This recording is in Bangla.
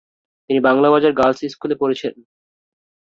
তিনি বাংলা বাজার গার্লস স্কুলে পড়েছেন।